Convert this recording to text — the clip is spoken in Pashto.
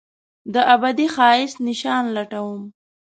دابدي ښایست نشان لټوم